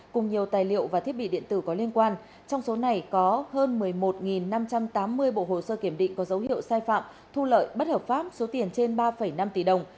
cùng nhiều tài liệu và thiết bị điện tử có liên quan trong số này có hơn một mươi một năm trăm tám mươi bộ hồ sơ kiểm định có dấu hiệu sai phạm thu lợi bất hợp pháp số tiền trên ba năm tỷ đồng